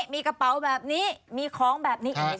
มีกระเป๋าแบบนี้มีของแบบนี้อีก